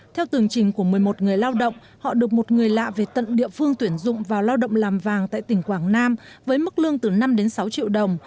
theo tường trình của một mươi một người lao động họ được một người lạ về tận địa phương tuyển dụng vào lao động làm vàng tại tỉnh quảng nam với mức lương từ năm đến sáu triệu đồng